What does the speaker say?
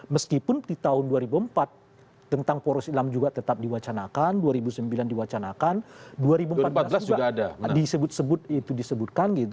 meskipun di tahun dua ribu empat tentang poros islam juga tetap diwacanakan dua ribu sembilan diwacanakan dua ribu empat belas juga disebut sebut itu disebutkan gitu